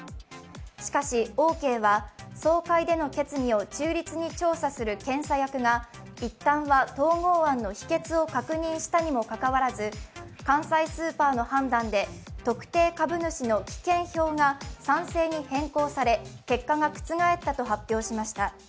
しかし、オーケーは総会での決議を中立に調査する検査役が一旦は統合案の否決を確認したにもかかわらず関西スーパーの判断で特定株主の棄権票が賛成に変更され、結果が覆ったと発表しました。